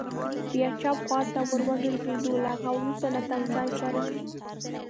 بیا چپ خوا ته ور وګرځېدو، له هغه وروسته له تمځای سره.